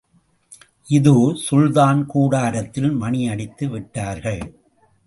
இதோ, சுல்தான் கூடாரத்தில் மணியடித்து விட்டார்கள்.